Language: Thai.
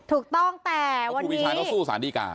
ถูกต้องแต่วันครูปีชาเขาสู้สารดีกา